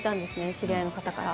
知り合いの方から。